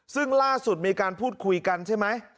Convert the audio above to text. ซึ่งล่าสุดมีการพูดคุยกันใช่ไหม